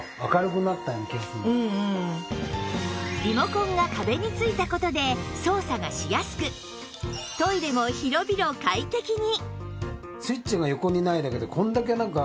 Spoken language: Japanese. リモコンが壁についた事で操作がしやすくトイレも広々快適に！